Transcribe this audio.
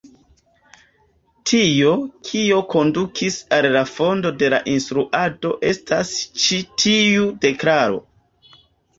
Tio, kio kondukis al la fondo de la instruado, estas ĉi tiu deklaro.